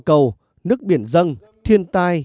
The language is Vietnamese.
và những cảm giác tốt